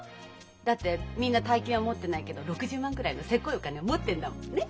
だってみんな大金は持ってないけど６０万ぐらいのセコいお金は持ってんだもんね。